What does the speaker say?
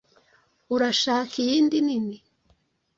Urashaka iyindi nini?